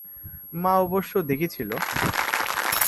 মা অবশ্য দেখেছিলো।